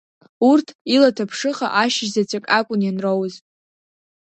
Урҭ илаҭаԥшыха ашьыжь заҵәык акәын ианроуаз.